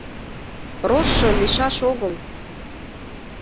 — Рожшо лийшаш огыл...